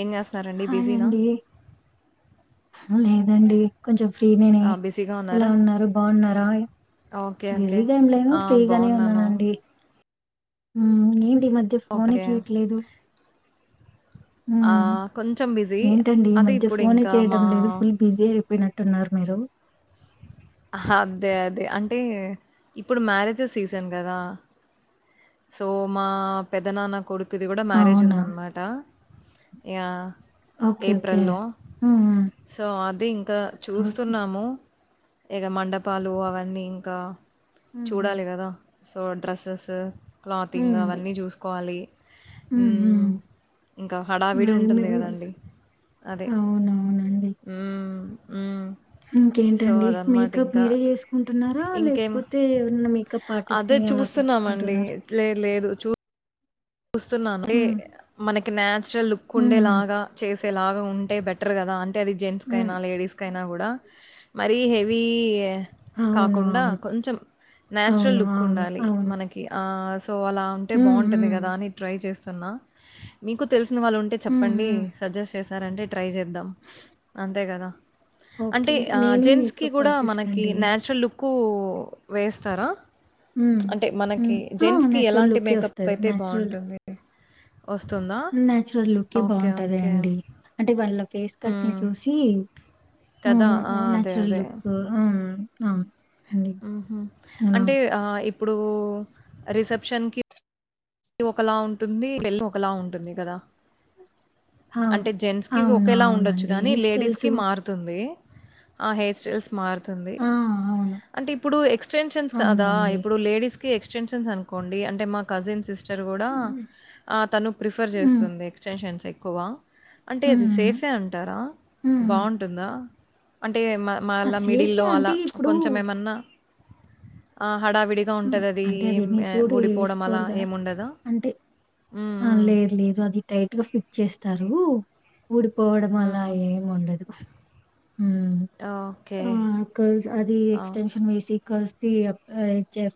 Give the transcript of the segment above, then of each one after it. ఏం చేస్తన్నారండి హాయ్ బిజీనా అండి లేదండి కొంచెం ఫ్రీ నేనే ఆ, బిజీగా ఎలా ఉన్నారా ఉన్నారు బాగున్నారా ఓకే ఓకే బిజీగా ఏం లేను ఆ, ఫ్రీగానే బాగున్నాను ఉన్నానండి హ్మ్ ఏంటి ఈ మధ్య ఫోనే ఓకే చేయట్లేదు ఆ, కొంచెం బిజీ ఏంటండి ఈ అదే మధ్య ఇప్పుడు ఫోనే ఇంకా మా చేయటం లేదు ఫుల్ బిజీ అయిపోయినట్టు అంటున్నారు మీరు అదే అదే అంటే ఇప్పుడు మ్యారేజస్ సీజన్ కదా సో మా పెదనా నా కొడుకు ఇ ఇది కూడా మ్యారేజ్ అవునా ఉందన్నమాట యా ఓకే ఓకే ఏప్రిల్లో హ్మ్ హ్మ్ సో అది ఇంకా ఓకే. చూస్తున్నాము ఇక మండపాలు అవన్నీ ఇంకా హ్మ్ హ్మ్ చూడాలి కదా సో డ్రెస్సెస్ క్లాతింగ్ హ్మ్ అవన్నీ చూసుకోవాలి హ్మ్ హ్మ్. ఇంకా హడావిడి మరి ఉంటుంది మీరు కదండి అదే అవునవునండి ఉ ఇంకేంటండి మేకప్ మీరే చేసుకుంటున్నారా ఇంకేం లేకపోతే ఏనా మేకప్ ఆర్టిస్ట్ అదే ని అలా చూస్తున్నామండి. పిలుచుకుంటుారా లేదు లేదు చూ చూస్తున్నాను అంటే హ్మ్ మనకి నచురల్ లుక్ హ్మ్ హ్మ్ ఉండేలాగా చేసి ఎలాగ ఉంటే బెటర్ కదా అంటే అది జెంట్స్ హ్మ్. కైనా లేడీస్ కైనా కూడా మరిీ హెవి అవును. అవును. అవును. అవును. అవును. మ సో అలా ఉంటే హ్మ్. బాగుంటుంది హ్మ్. కదా అని ట్రై చేస్తున్నా మీకు తెలుసు వాళ్ళు ఉంటే హ్మ్. చెప్పండి హ్మ్. సజెస్ట్ చేశారంటే ట్రై చేద్దాం అంతే కదా ఓకే. అంటే నేనే జెంట్స్కి మేకప్ కూడా ఆర్టిస్ట్ మనకి అండి. న్యాచురల్ లుక్ వేస్తారా హ్మ్. అంటే హ్మ్. మనకి ఆ! జెంట్స్ కి నేచురల్ ఎలాంటి లుకే మేకప్ ఒస్తది. అయితే బాగుంటుంది నాన్యాచురల్ లుక్ ఓకే. బాగుంటదా ఓకే. అండి అంటే వాళ్ళ ఫేస్ కట్ ని హ్మ్. చూసి కదా! ఆ! అదే. నచురల్ అదే. లుక్ అవును అండి. అలా అంటే ఇప్పుడు రిసెప్షన్కి ఇది ఒకలా ఉంటుంది వెళ్లి ఒకలా ఉంటుంది కదా అవు అంటే జెంట్స్కి అవును. ఒకేలా ఉండొచ్చు అవునండి. కానీ హెయిర్ స్టైల్స్ లేడీస్కి మారుతుంది ఆ హెయిర్ స్టల్స్ మార్క్ ఆ! అవును. అంటే ఇప్పుడు ఎ అవును అండి. ఇప్పుడు ఎక్స్టెన్షన్స్ అనుకోండి అంటే మా కజిన్ సిస్ చర్ కూడా హ్మ్. తను ప్రిఫర్ హ్మ్. చేస్తుంది ఎక్స్టెన్షన్స్ ఎక్కువ అంటే అది హ్మ్. సేఫే అంటారా హ్మ్. బాగుంటుందా అంటే మళ ఆ! సేఫే మిడిల్లో అలా అంటే ఇప్పుడు కొంచెం ఏమన్నా హడావిడిగా హ్మ్. ఉంటది అది అంటే ఏం అదేమి ఎప్పుడు ఊడిపోవడం అలా ఏసుకోరు గదా! ఏం ఉండదు అంటే లేదు లేదు అది టైట్ గా ఫిట్ చేస్తారు ఊడిపోవడం అలా హ్మ్. ఏం ఉండదు ఓకే. ఆ క అది ఆ ఎక్స్టెన్షన్ వేసి కస్త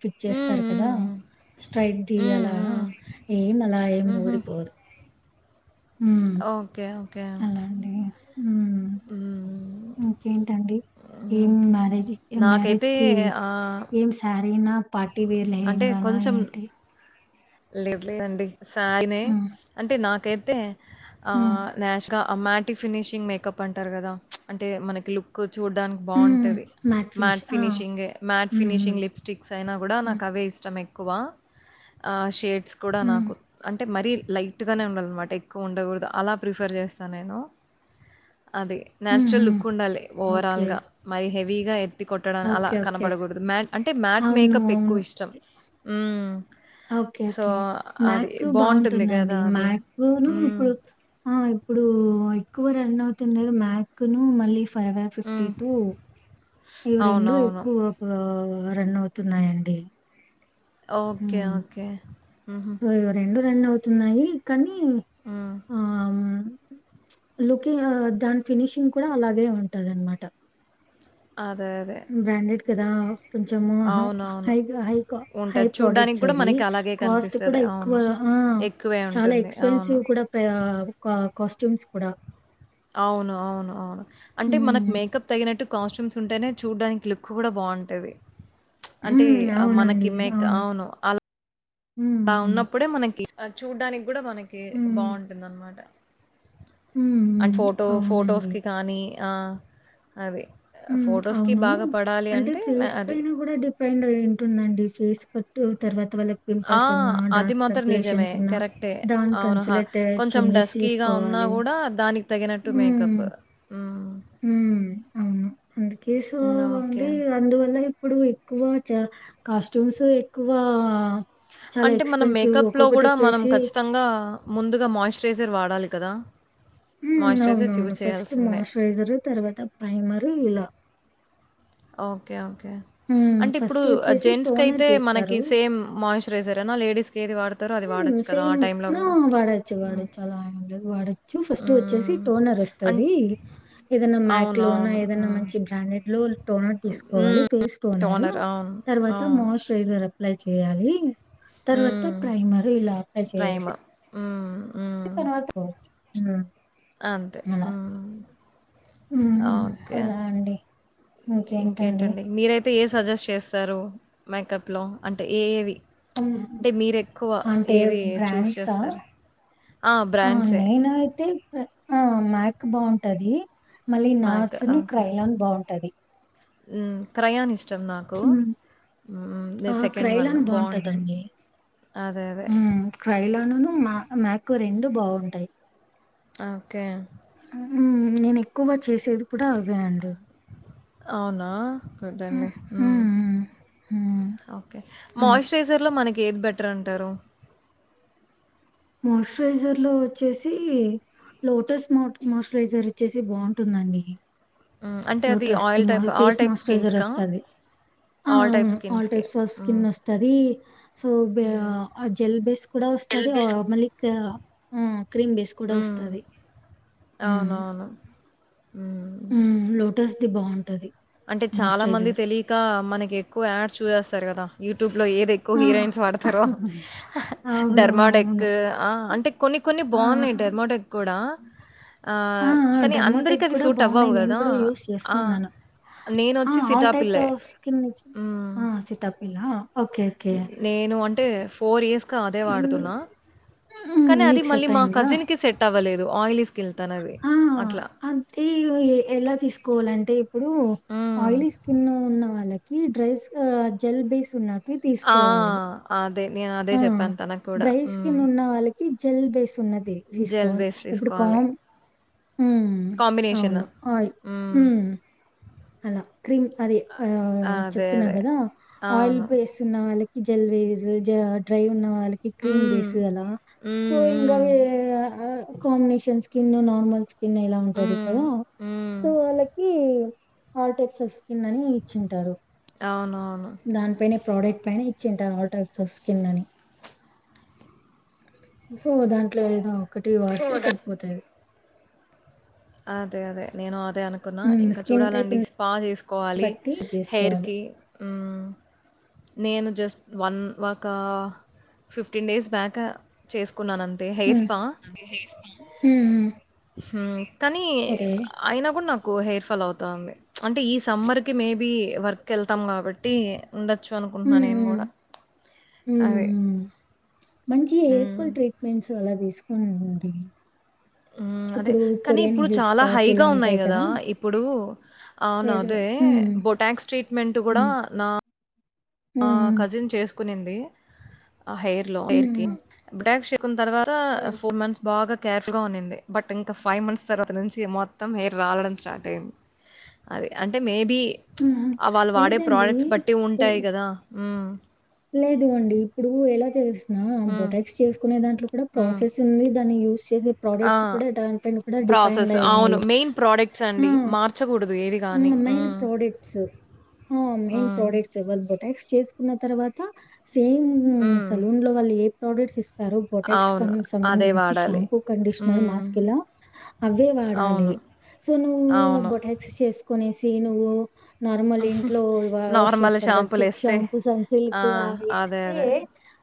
ఫిట్ హ్మ్. చేస్తారు హ్మ్. కదా హ్మ్. స్ట్రైట్ హ్మ్. దియలా హ్మ్. ఏం అలా ఏం ఊడిపోదు హ్మ్. ఓకే ఓకే అలా అండి. హ్మ్. అ ఇంకేంటండి ఏం మ్యారేజ్ మ్యారేజ్ నాకైతే కి ఆహ్, ఏం స సరైనా పార్టీ వేర్లు ఏంగానా ఏంటి లేవ్ లేవ అండి సారనే హ్మ్. అంటే నాకైతే ఆ హ్మ్. నేష్గా ఆ మ్యాటి ఫినిషింగ్ మేకప్ అంటారు కదా అంటే మనకి లుక్ చూడ్డానికి హ్మ్. బాగుంటుంది ఫినిష్. మ్యాట్ ఆ! ఫినిషింగే మ్యాట్ హ్మ్. హ్మ్. ఫినిషింగ్ లిప్స్టిక్స్ అయినా కూడా నాకు హ్మ్. ఇ ఎక్ కూడా నా హ్మ్. అంట మ లైట్గానే ఉండాలన్నమాట ఎక్కువ ఉండకూడదు అలా ప్రిఫర్ చేస్తా నేను అది హ్మ్. న్యాచురల్ హ్మ్. లుక్ ఉండాలి ఓకే. ఓవరాల్గా మరి హెవీగా ఎ ది కొట్టడానికి అలా ఓకే. ఓకే. కనపడకూడదు మ్యాట్ అంటే మ్యాట్ అవును. మేకప్ అవును. ఎక్కువ ఇష్టం ఓకే సో ఓకే అది మ్యాక్ బాగుంటుంది కదా బాగుంటుందండి అది మ్యాకును మ్మ్. ఇప్పుడు ఆ ఇప్పుడు ఎక్కువ రన్ అవుతుందిది మ్యాక్ ను మళ్ళీ ఫైవ్ హడ్ ఫిఫ్టీ మ్మ్. టటు ఇవి అవును రెండు అవును ఎక్కువ ఎ రన్న అవుతున్నాయంండి ఓకే ఓకే ఉహు సో, ఇవి రన్ అవుతున్నాయి కానీ ఉమ్ ఆహ్, లుకింగ్ దాని ఫినిషింగ్ కూడా అలాగే ఉంటది అనమాట అదే అదే కదా కొంచం అవునవును హై హై హై ఉంటుంది చూడ్డానికి ప్రోడక్ట్స్ కూడా అవి మనకి అలాగే కాస్ట్ కనిపిస్తుంది కూడా ఎక్కువ అవును ఆ ఎక్కువే చాలా ఉంటుంది అవును ఎక్స్పెన్సివ్ కూడా కాస్ట్యూమ్స్ కూడా అవును అవును అవును అంటే మనకు హ్మ్. మేకప్ తగినట్టు కాస్ట్యూమ్స్ ఉంటేనే చూడ్డానికి లుక్ కూడా బాగుంటుంది అంటే హ్మ్. మనకి అవునండి. మేక్ అవును అలా హ్మ్. అలా హ్మ్. ఉన్నప్పుడే మనకి చూడ్డానికి కూడా మనకి హ్మ్. బాగుంటుందనమాట హ్మ్. అండ్ హ్మ్. ఫోటో అవునండి. ఫొటోస్కి కానీ ఆ అది. ఉమ్ ఫోటోస్‌కి అవును బాగా పడాలి అంటే న ఫేస్ అది. పైన కూడా డిపెండ్ ఉంటుందండి ఫేస్ కట్టు తర్వాత వాళ్లకి ఆ! పింపుల్స్ ఉన్నా అది డార్క్ మాత్రం సర్కలేషన్ నిజమే. ఉన్నా కరెక్టే. దానికి అవును. హ కాన్సులేటెడ్ కొంచెం చేంజెస్ డస్కీగా చేసుకొని ఉన్నా కూడా దానికి తగినట్టు మేకప్ ఉమ్ ఉమ్ అవును అందుకే సో హ్మ్. అండి ఓకే. అందువల్ల ఇప్పుడు ఎక్కువ చ కాస్ట్యూమ్స్ ఎక్కువ చాలా అంటే మన ఎక్స్‌పెన్సివ్ మేకప్లో కూడా మనం ఒక్కొక్కటొచ్చేసి ఖచ్చితంగా ముందుగా మాయిశ్చరైజర్ వాడాలి కదా ఉమ్ మాయిశ్చరైజర్స్ యూజ్ అవునవును ఫస్ట్ చేయాల్సిందే. మాయిశ్చరైజరు తర్వాత ప్రైమరు ఇలా ఓకే ఓకే హ్మ్. అంటే ఇప్పుడు ఫస్ట్ వచ్చేసి టోనర్ జెంట్సకైయితే మనకి సేమ్ మాయూష్ రైజర్ లేడిస్ ఉమ్ సేమ్ వాడచ్చు వాడచ్చు అలా ఏం లేదు వాడచ్చు ఫస్ట్ వచ్చేసి హ్మ్. టోనర్ అన్ వస్తుంది ఏదనా మ్యాక్ అవును. లోనా అవును. ఏదనా హ్మ్. మంచి బ్రాండెడ్ లో టోనర్ తీసుకోవాలి ఫేస్ టోనారు టోనర్. అవును. తర్వాత అవును. మాయిశ్చరైజర్ అప్లై చేయాలి తర్వాత హ్మ్. ప్రైమరీ ఇలా అప్లై చేసేసి ఉమ్ తర్వాత పోవచ్చు ఉమ్ అంతే అలా ఉమ్ ఉమ్, ఓకే అలా అండి ఇంకేంటండి మీరైతే ఏ సజెస్ట్ చేస్తారు మేకప్లో అంటే ఏ ఏవి ఉమ్ అంటే మీరెక్కువ అంటే ఏది చూస్ బ్రాండ్సా చేస్తారు? ఆ నేను అయితే పా ఆ మ్యాక్ బాగుంటది మళ్ళీ మ్యాక్ నార్స్ ను క్రైలాన్ బాగుంటది ఉమ్ క్రయానిస్ట్ తం నాకు ఉమ్, ఉమ్ ఆ సెకండ్ వన్ క్రైలాన్ బాగుంటుంది బాగుంటదండి అదే అదే క్రైలానును మా మాకు రెండు బాగుంటాయి ఆ ఓకే ఉమ్ నేను ఎక్కువ చేసేది కూడా అవే అండి అవునా గుడ్ అండి ఉమ్ ఉమ్, ఓకే అలా మాయిశ్చరైజర్ లో మనకి ఏది బెటర్ అంటారు మాయిశ్చరైజర్ లో వచ్చేసి లోటస్ మో మాోయిశ్చరైజర్ వచ్చేసి బాగుంటుందండి హ్మ్. అంటే అది lotus oil type face all type moisturiser స్కిన్స్‌కా? వస్తాది ఆ ఆల్ అవును టైప్ ఆల్ స్కిన్స్‌కే. టైప్స్ ఆఫ్ హ్మ్. స్కిన్ వస్తుంది సో బే జెల్ బేస్ కూడా వస్తుంది ఎల్బిస్ మలిక్ ఆ క్రీమ్ బేస్ కూడా హ్మ్. వస్తుంది తది అవునవును ఉమ్ ఉ లోటస్ది బావుంటది అంటే చాలా మంది తెలియక మనకి ఎక్కువ యాడ్స్ చూసేస్త తరు కదా యూట్యూబ్ లో ఏద ఎక్కువ ఆ హీరోయిన్స్ వాడతారో అవును డర్మాడెక్ అవును అంటే కొన్ని కొన్ని బాగున్నాయి డెర్మోడెక్ కూడా ఆ ఆహ్, ఆ కానీ అందరికి డర్మోటెక్ అవి కూడా సూట్ బాగున్నాయి అవ్వవు నేను గదా! కూడా యూజ్ చేస్త ఆ! ఉన్నాను ఆ నేనొచ్చి ఆల్ టైప్ సిటాపిల్లే. స్కిన్చ్చ హ్మ్. సిట్ప్ ఇలా నేను అంటే ఫోర్ ఇయర్స్ అదే మ్ వాడుతున్నా కానీ అది మీకు మళ్ళీ సెట్ మా అయిందా కజిన్ కి సెట్ అవ్వలేదు ఆయిల్ ఆ అంటే ఎలా తీసుకోవాలంటే ఇప్పుడు హ్మ్. ఆయిలీ స్కిన్ ఉన్న వాళ్ళకి డ్రై జెల్ బేస్ ఉన్నట్ అవి ఆ! తీసుకోవాలి అదే. నేను అదే ఆ చెప్పాను తనకు కూడా. డ్రై హ్మ్. స్కిన్ ఉన్న వాళ్ళకి జెల్ బేస్ ఉన్నది జెల్ తీసుకోవాలి బేస్ ఇప్పుడు తీసుకోవాలి. కామ్ కాంబినేషన్. అవును ఆయి హ్మ్. అలా క్రీమ్ అద ఆ అదే. చెప్తున్నా అదే. కదా ఆయిల్ అవును. ఫేసున్న వాళ్ళకి జల్బేస్ జ డ్రై ఉన్న వాళ్ళు క్రీమ్ హ్మ్. బేస్ కదా సో హ్మ్. హ్మ్. [unintelligible] కాంబినేషన్ స్కిన్ నార్మల్ స్కిన్ ఎలా ఉంటది హ్మ్. కదా హ్మ్. సో వాళ్ళకి ఆల్ టైప్స్ ఆఫ్ స్కిన్ అని ఇచ్చింటారు అవును దాని పైనే ప్రోడక్ట్ పైన ఇచ్చింటారు ఆల్ టైప్స్ ఆఫ్ స్కిన్ అని సో దాంట్లో ఏదో ఒకటి సో, వాడితే దా సరిపోతది అదే అదే నేను అదే అనుకున్నా హ్మ్. ఇంకా స్కిన్ చూడాలండి టైప్‌ని స్పా చేసుకోవాలి బట్టి చేసుకోవాలి. హెయిర్కి అ నేను జస్ట్ వన్ ఒక ఫిఫ్టీన్ డేస్ బ్యాక్ చేస్ కున్నానంతే హెయిర్ హ్మ్. స్పా హ్మ్. హ్మ్. హు కానీ ఓకే. అయినా కూడా నాకు హెయిర్ ఫాల్ అవుతుంది అంటే ఈ సమ్మర్కి మేబీ వర్క్ వెళ్తాం కాబట్టి ఉండొచ్చు అనుకుంటున్నా హ్మ్. నేను హ్మ్. కూడా హ్మ్. అది హ్మ్. మంచి హెయిర్ఫుల్ ట్రీట్మెంట్స్ అలా తీసుకుండి అదే కానీ ఇప్పుడు చాలా స్పాస్ హైగా ఇలా ఉన్నాయి ఉంటాయి కదా ఇప్పుడు అవును ప్రజ అదే హ్మ్. బొటాక్స్ ట్రీట్మెంట్ కూడా హ్మ్. నా ఆ హ్మ్. హ్మ్. కజిన్ చేసుకునింది ఆ హెయిర్ లో హెయిర్ హ్మ్. కి బొటాక్ షే కున్ తర్వాత హ్మ్. ఫోర్ మంత్స్ బాగా కేర్ఫుల్గా ఉన్నింది బట్ ఇంకా ఫైవ్ మంత్స్ తర్వాత నుంచి మొత్తం హెయిర్ రాలడం స్టార్ట్ అయింది అది అంటే మేబీ హ్మ్. హ్మ్. వాళ్ళు వాడే లేదండి. ప్రోడక్ట్స్ పట్టి ఉంటాయి ఆ అ లేదువండి ఇప్పుడు ఎలా తెలుసినా హ్మ్. బొటాక్స్ చేసుకునే దాంట్లో కూడా ప్రాసెస్ ఉంది దాని యూ ఇది ఆ! ప్రోడక్ట్స్ కూడా టన్ పైన కూడా డిపెండ్ ప్రాసెస్ అయింది అవును. మెయిన్ ప్రొడక్ట్స్ అండి. మార్చకూడదు ఏది ఆ గాని. మైయిన్ హ్మ్. ప్రోడక్ట్స్ ఆ మైయిన్ హ్మ్. ప్రోడక్ట్స్ బోటాక్స్ చేసుకున్న తర్వాత సేమ్ హ్మ్. సలూన్ లో వాళ్ళు ఏ ప్రోడక్ట్స్ ఇస్త బొటాక్స్ క అవును. అదే సంబంధించి వాడాలి. షాంపూ కండిషనర్ హ్మ్. మాస్క్ లా అవే వాడాలి అవును. సోనువ్వు అవును. బొట తీసుకునేసి నువ్వు నార్మల్ ఇంట్లో వాష్ నార్మల్ చేస్తారు కదా చిక్ షాంపూలేస్తే. షాంపూ సన్ ఆ! సిల్క్ అవి అదే. వేస్తే అదే.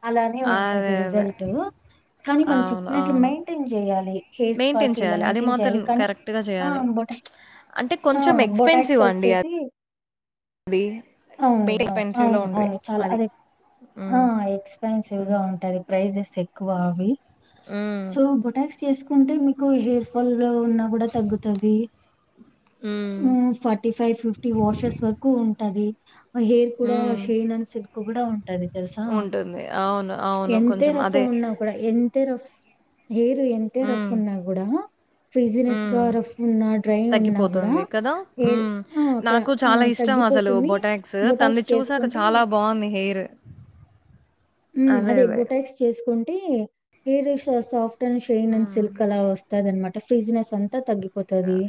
అలానే ఉంటది అదే. అదే. రిజల్ట్ కానీ వాళ్ళు అవును. చెప్పినట్లు అవును. మెయింటైన్ చేయాలి హెయిర్ స్పాస్ మెయింటైన్ ఇలా చేయాలి. అది మెయింటైన్ మాత్రం చేయాలి కానీ కరెక్ట్‌గా ఆ చేయాలి. బొట అంటే కొంచెం ఎక్స్పెన్సివ్ అండి అది అవునువు మెయిన్ అ ఎక్స్‌పెన్సివ్‌లో అవును ఉంటది. అవును చాలా అది. అదే హ్మ్. ఆ ఎక్స్పెన్సివ్ గా ఉంటది ప్రైజెస్ ఎక్కువ అవి హ్మ్. సో బొటాక్స్ చేసుకు కుంటే మీకు హెయిర్ ఫాల్ ఉన్నా కూడా తగ్గుతాది. హ్మ్. మ్ ఫార్టీ ఫైవ్ ఫిఫ్టీ వాషర్స్ వరకు ఉంటాది. హెయిర్ కూడా హ్మ్. షైన్ అన్ సిల్క్ కూడా ఉంటది. తెలుసా ఉంటుంది. అవును. అవును. ఎంత కొంచెం రఫ్ అదే. ఉన్నా కూడా ఎంత రఫ్ హెయిర్ ఎంత రఫ్ హ్మ్. ఉన్నా కూడా ఫ్రీజీనెస్గా రఫ్ ఉన్నా డ్రై ఉన్నా గూడా తుంది కదా హెయిర్ ఆ! క నాకు ఆ! చాలా ఇష్టం అసలు తగ్గిపోతుంది. బొటాక్స్ తంది బొటాక్స్ చూసాక చేసుకుంటే చాలా బాంది హెయిర్ మ్ అదే బోటాక్స్ చేసుకుంటే హెయిర్ శా సాఫ్ట్ ఫ్ట్ షైన్ అండ్ సిల్క్ అలా వస్తా దనమాట ఫ్రీజినెస్ అంతా తగ్గిపోతది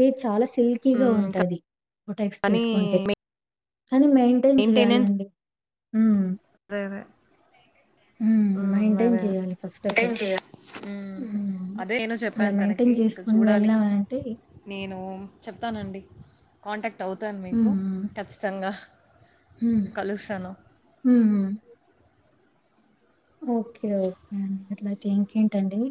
హెయిర్ చాలా సిల్కీగా హ్మ్. ఉంటది. బొటాక్స్ కానీ చేసుకుంటే కానీ మెయింటైన్ మెయింటెనెన్స్ చేయాలండి. మ్ అదే అదే మ్ మెయింటైన్ అదే చేయాలి ఫస్ట్ ఆఫ్ ఆల్. [unintelligible] చేయ మ్ హ్మ్. అదే నేను అలా చెప్పాను తనకి మెయింటైన్ ఇంక చేసుకొని చూడాలి. వెళ్ళామంటే నేను చెప్తానండి. కాంటాక్ట్ టవుతాను మీకు హ్మ్. ఖచ్చితంగా హ్మ్. కలుస్తాను. హ్మ్. హ్మ్. ఓకే ఓకే అండి. అట్లయితే ఇంకేంటండి.